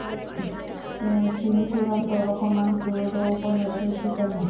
তিনি চূড়ান্ত অপমান, ক্রোধ ও উপহাসের শিকার হন।